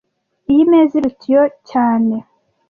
Iyi meza iruta iyo cyane